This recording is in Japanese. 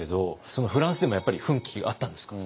そのフランスでもやっぱり奮起あったんですか？